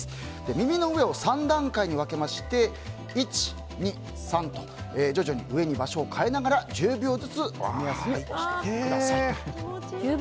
耳の上を３段階に分けまして１、２、３と徐々に上に場所を変えながら１０秒ずつを目安に押していってくださいと。